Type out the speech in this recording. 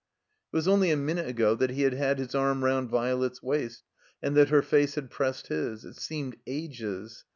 It was only a minute ago that he had had his arm round Violet's waist, and that her face had pressed his. It seemed ages.